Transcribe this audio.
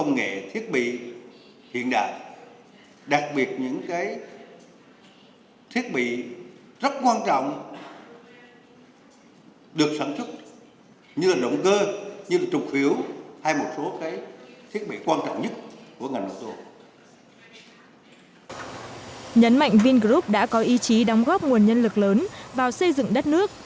nhấn mạnh vingroup đã có ý chí đóng góp nguồn nhân lực lớn vào xây dựng đất nước